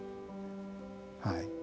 はい。